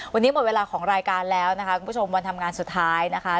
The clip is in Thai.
วันนี้หมดเวลาของรายการแล้วนะคะคุณผู้ชมวันทำงานสุดท้ายนะคะ